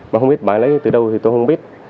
mà không biết bà ấy lấy từ đâu thì tôi không biết